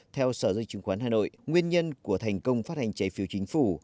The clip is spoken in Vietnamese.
theo sở giao dịch chứng khoán hà nội nguyên nhân của thành công phát hành trái phiếu chính phủ